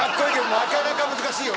なかなか難しいよ。